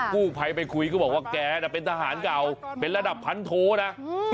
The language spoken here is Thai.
กู้ภัยไปคุยก็บอกว่าแกน่ะเป็นทหารเก่าเป็นระดับพันโทนะ